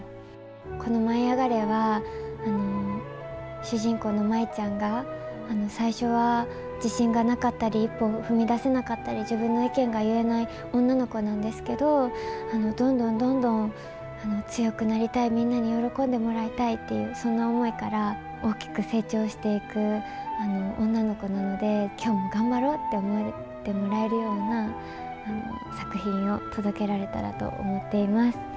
この舞いあがれ！は、主人公の舞ちゃんが、最初は自信がなかったり、一歩踏み出せなかったり、自分の意見が言えない女の子なんですけど、どんどんどんどん強くなりたい、みんなに喜んでもらいたいっていう、そんな思いから大きく成長していく女の子なので、きょうも頑張ろうって思ってもらえるような作品を届けられたらと思っています。